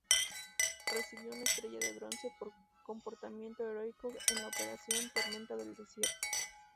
Recibió una estrella de bronce por comportamiento heroico en la operación "Tormenta del desierto".